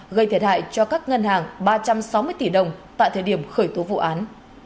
gây thiệt hại cho các ngân hàng ba trăm sáu mươi tỷ đồng tại thời điểm khởi tố vụ án